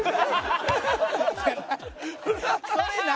それ何？